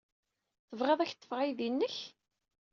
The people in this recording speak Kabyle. Tebɣid ad ak-ḍḍfeɣ aydi-nnek?